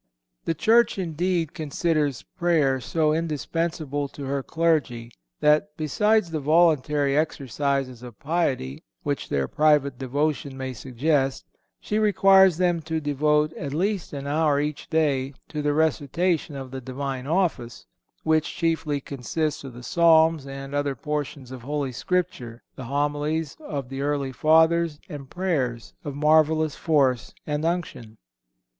The Church, indeed, considers prayer so indispensable to her clergy that, besides the voluntary exercises of piety which their private devotion may suggest, she requires them to devote at least an hour each day to the recitation of the Divine Office, which chiefly consists of the Psalms and other portions of Holy Scripture, the Homilies of the early Fathers and prayers of marvelous force and unction.